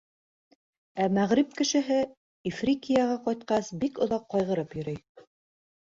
Ә мәғриб кешеһе, Ифрикияға ҡайтҡас, бик оҙаҡ ҡайғырып йөрөй.